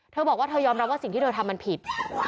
เธอบอกว่าเธอยอมรับว่าสิ่งที่เธอทำมันผิด